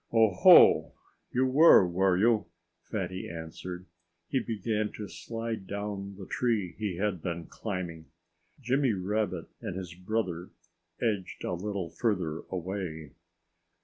"Oh, ho! You were, were you?" Fatty answered. He began to slide down the tree he had been climbing. Jimmy Rabbit and his brother edged a little further away.